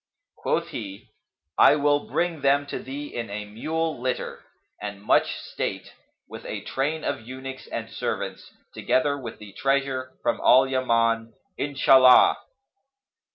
Quoth he, "I will bring them to thee in a mule litter[FN#270] and much state, with a train of eunuchs and servants, together with the treasure from Al Yaman, Inshallah!"